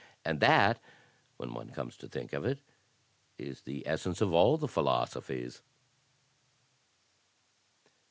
And that, when one comes to think of it, is the essence of all the philosophies."